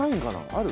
ある？